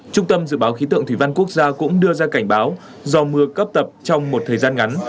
trung tâm dự báo khí tượng thủy văn quốc gia cũng đưa ra cảnh báo do mưa cấp tập trong một thời gian ngắn